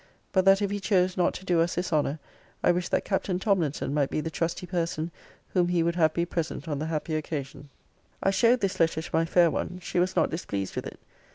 But that if he chose not to do us this honour, I wished that Captain Tomlinson might be the trusty person whom he would have be present on the happy occasion.' I showed this letter to my fair one. She was not displeased with it.